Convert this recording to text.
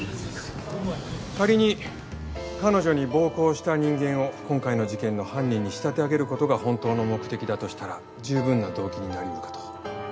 仮に彼女に暴行した人間を今回の事件の犯人に仕立て上げることが本当の目的だとしたら十分な動機になり得るかと。